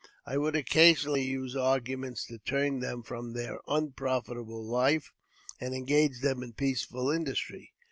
I would occasionally use arguments to turn them from their unprofitable life, and engage them in peaceful industry.